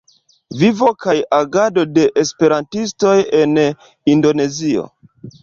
Vivo kaj agado de esperantistoj en Indonezio".